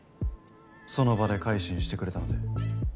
その場で改心してくれたので。